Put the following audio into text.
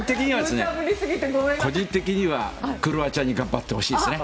個人的にはクロアチアに頑張ってほしいですね。